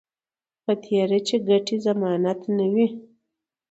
په تېره چې ګټې ضمانت نه وي